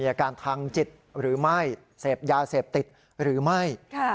อาการทางจิตหรือไม่เสพยาเสพติดหรือไม่